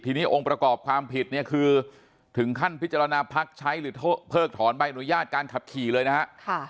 ทีนี้องค์ประกอบความผิดเนี่ยคือถึงขั้นพิจารณาพักใช้หรือเพิกถอนใบอนุญาตการขับขี่เลยนะฮะ